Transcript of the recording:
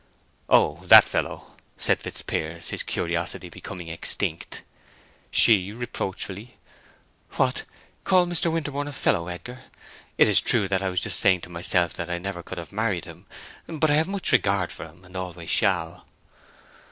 "Oh—that fellow," said Fitzpiers, his curiosity becoming extinct. She, reproachfully: "What, call Mr. Winterborne a fellow, Edgar? It is true I was just saying to myself that I never could have married him; but I have much regard for him, and always shall."